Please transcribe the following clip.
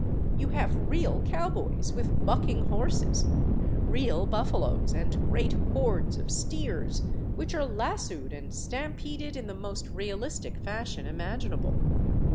You have real cowboys with bucking horses, real buffaloes, and great hordes of steers, which are lassoed and stampeded in the most realistic fashion imaginable.